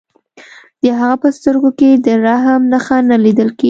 د هغه په سترګو کې د رحم نښه نه لیدل کېده